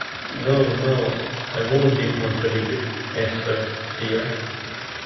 No, no, I won't be contradicted, Esther dear!